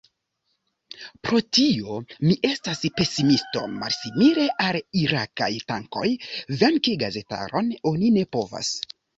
Pro tio mi estas pesimisto: malsimile al irakaj tankoj, venki gazetaron oni ne povas.